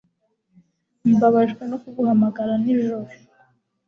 Mbabajwe no kuguhamagara nijoro.